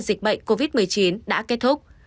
dịch bệnh covid một mươi chín đã kết thúc